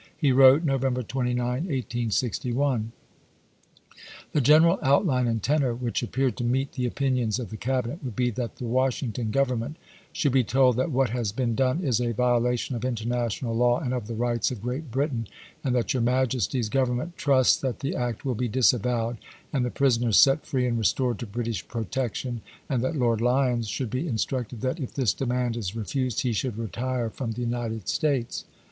He wrote, November 29, 1861 : The general outhne and tenor which appeared to meet the opinions of the Cabinet would be, that the Wash ington Government should be told that what has been done is a violation of international law and of the rights of Great Britain, and that your Majesty's Government trust that the act will be disavowed, and the prisoners set free and restored to British protection ; and that Lord Lyons should be instructed that, if this demand is re fused, he should retire from the United States.